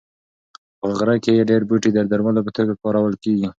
په غره کې ډېر بوټي د درملو په توګه کارول کېږي.